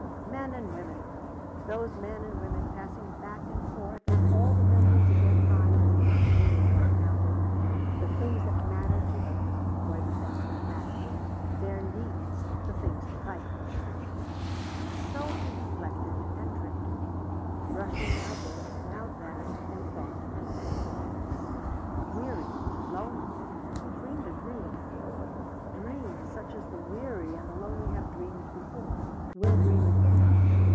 Men and women! Those men and women passing back and forth and all the millions of their kind, they were what counted. The things that mattered to them were the things that mattered. Their needs the things to fight for. So he reflected and drifted, brushing now this, now that, in thought and fancy. Weary lonely he dreamed a dream, dream such as the weary and the lonely have dreamed before, will dream again.